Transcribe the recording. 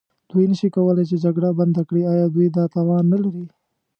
دوی نه شي کولای چې جګړه بنده کړي، ایا دوی دا توان نه لري؟